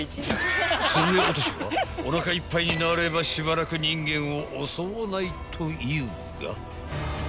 ［つるべおとしはおなかいっぱいになればしばらく人間を襲わないというが］